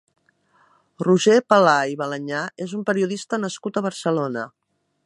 Roger Palà i Balanyà és un periodista nascut a Barcelona.